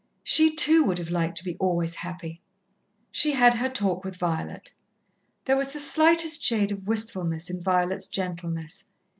She, too, would have liked to be always happy. She had her talk with Violet. There was the slightest shade of wistfulness in Violet's gentleness.